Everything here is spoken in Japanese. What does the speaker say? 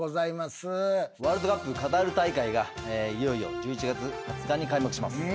ワールドカップカタール大会がいよいよ１１月２０日に開幕します。